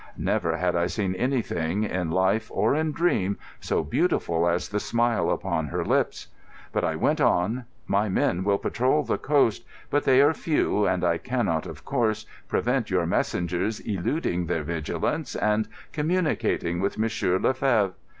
Never had I seen anything, in life or in dream, so beautiful as the smile upon her lips. But I went on: "My men will patrol the coast; but they are few, and I cannot, of course, prevent your messengers eluding their vigilance and communicating with Monsieur le Fevre.